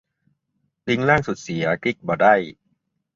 ลิงก์ล่างสุดเสีย คลิกบ่ได้